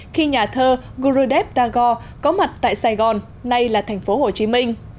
khi nhà thơ gurudev tagore có mặt tại sài gòn nay là thành phố hồ chí minh